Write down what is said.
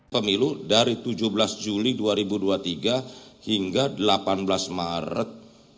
pemilu dari tujuh belas juli dua ribu dua puluh tiga hingga delapan belas maret dua ribu dua puluh